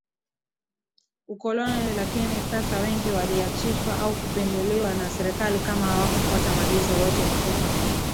ukoloni lakini sasa wengi waliachishwa au kupinduliwa na serikali kama hawakufuata maagizo yote kutoka